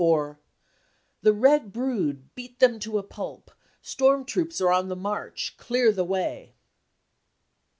1 Or : The red brood , beat them to a pulp ! Storm troops are on the march — clear the way